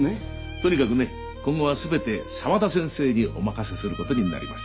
とにかくね今後は全て沢田先生にお任せすることになります。